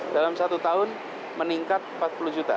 dalam satu tahun meningkat empat puluh juta